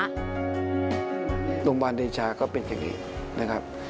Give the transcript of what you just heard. โรงพยาบาลเดชาก็เป็นอย่างนี้นะครับ